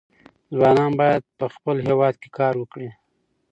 ځوانان باید په خپل هېواد کې کار وکړي.